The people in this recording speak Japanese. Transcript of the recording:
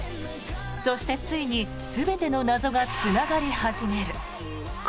そして、ついに全ての謎がつながり始める。